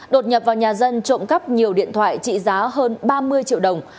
đột nhập vào nhà dân trộm cắp nhiều điện thoại trị giá hơn ba mươi triệu đồng